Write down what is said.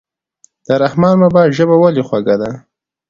د رحمان بابا ژبه ولې خوږه ده.